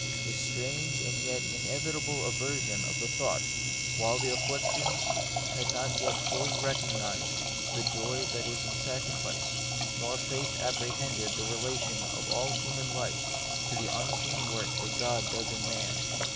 A strange and 88 The Mystery of Pain. yet an inevitable inversion of thought, while the affections had not as yet fully recog nised the joy that is in sacrifice, nor faith apprehended the relation of all human life to the unseen work that God does in man.